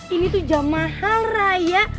ini tuh jam mahal raya